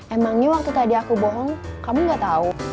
emangnya waktu tadi aku bohong kamu gak tahu